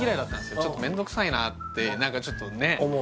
ちょっとめんどくさいなって何かちょっとね思う